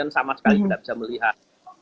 sama sekali tidak bisa melihat